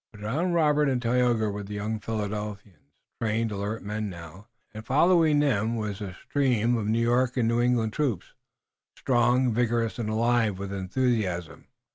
But around Robert and Tayoga were the young Philadelphians, trained, alert men now, and following them was the stream of New York and New England troops, strong, vigorous and alive with enthusiasm.